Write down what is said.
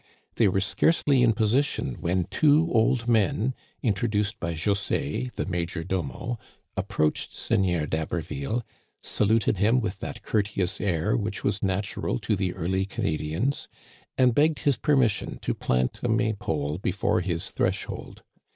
They were scarcely in position when two old men, introduced by José, the major domo, approached Seign eur d'Haberville, saluted him with that courteous air which was natural to the early Canadians and begged his permission to plant a May pole^efore his threshold.